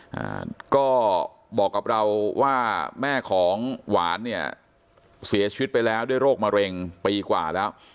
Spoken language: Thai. อ่าก็บอกกับเราว่าแม่ของหวานเนี่ยเสียชีวิตไปแล้วด้วยโรคมะเร็งปีกว่าแล้ว